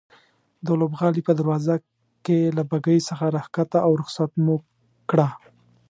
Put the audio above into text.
د لوبغالي په دروازه کې له بګۍ څخه راکښته او رخصت مو کړه.